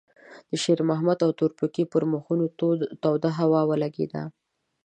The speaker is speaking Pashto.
د شېرمحمد او تورپيکۍ پر مخونو توده هوا ولګېده.